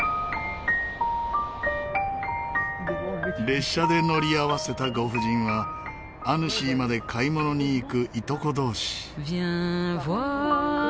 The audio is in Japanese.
列車で乗り合わせたご婦人はアヌシーまで買い物に行くいとこ同士。